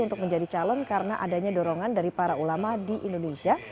untuk menjadi calon karena adanya dorongan dari para ulama di indonesia